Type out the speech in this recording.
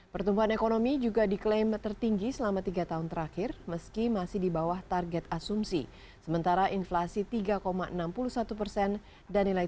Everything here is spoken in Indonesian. pertumbuhan ekonomi terjadi karena meningkatnya investasi dan impor barang modal